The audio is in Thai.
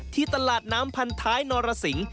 ที่ตลาดน้ำพันท้ายนรสิง